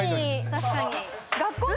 確かに。